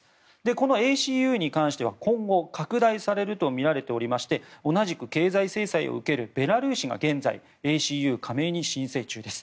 このＡＣＵに関しては今後拡大するとみられていまして同じく経済制裁を受けるベラルーシが現在、ＡＣＵ加盟を申請中です。